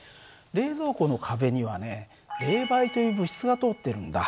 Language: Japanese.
冷蔵庫の壁にはね冷媒という物質が通ってるんだ。